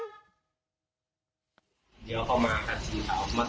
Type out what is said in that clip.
เดี๋ยวเข้ามาคัทเกลียดเอาผมมาต่อ